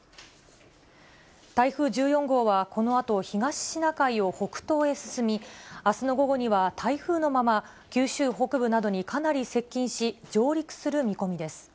台風１４号は、このあと東シナ海を北東へ進み、あすの午後には台風のまま、九州北部などにかなり接近し、上陸する見込みです。